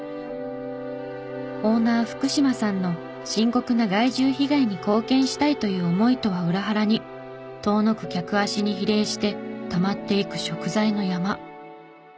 オーナー福島さんの深刻な害獣被害に貢献したいという思いとは裏腹に遠のく客足に比例してたまっていく食材の山。